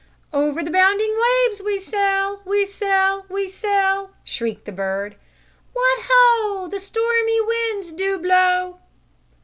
"Over the bounding waves, we sail, we sail, we sail!" shrilled the bird. "What ho! The stormy winds do blow!"